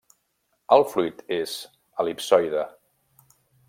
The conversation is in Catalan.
El fruit és el·lipsoide.